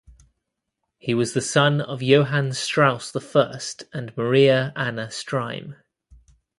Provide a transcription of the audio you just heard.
He was the son of Johann Strauss I and Maria Anna Streim.